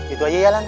itu aja ya lan